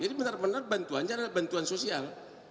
jadi benar benar bantuannya adalah bantuan sosial